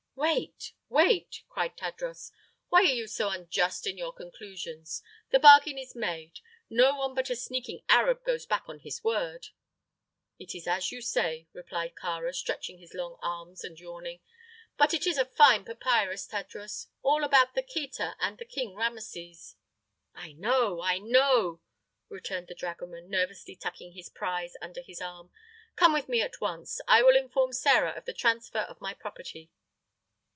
"Wait wait!" cried Tadros. "Why are you so unjust in your conclusions? The bargain is made. No one but a sneaking Arab goes back on his word." "It is as you say," replied Kāra, stretching his long arms and yawning. "But it is a fine papyrus, Tadros all about the Kheta and King Rameses." "I know; I know!" returned the dragoman, nervously tucking his prize under his arm. "Come with me at once. I will inform Sĕra of the transfer of my property."